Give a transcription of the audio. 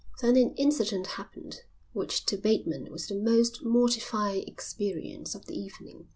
Then an incident happened which to Bateman was the most mortifying experience of the evening.